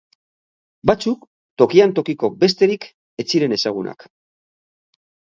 Batzuk tokian tokiko besterik ez ziren ezagunak.